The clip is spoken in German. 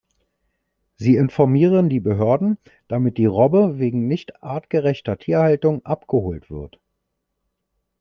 Sie informieren die Behörden, damit die Robbe wegen nicht artgerechter Tierhaltung abgeholt wird.